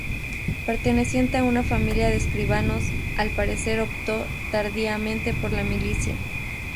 Perteneciente a una familia de escribanos, al parecer optó tardíamente por la milicia.